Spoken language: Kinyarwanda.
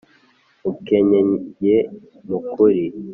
Mukenyeye mukuri .